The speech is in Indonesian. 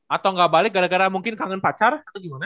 atau gak balik gara gara mungkin kangen pacar atau gimana